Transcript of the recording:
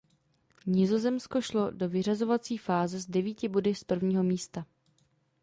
Nizozemsko šlo do vyřazovací fáze s devíti body z prvního místa.